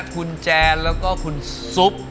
คุณแจนแล้วก็คุณซุป